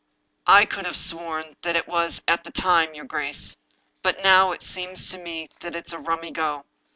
" I could have sworn that it was at the time, your grace. But now it seems to me that it's a rummy go."